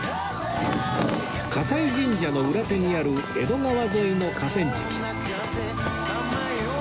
葛西神社の裏手にある江戸川沿いの河川敷